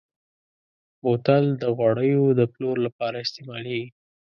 بوتل د غوړیو د پلور لپاره استعمالېږي.